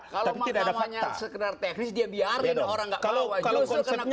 kalau mahkamahnya sekedar teknis dia biarin orang gak ngawain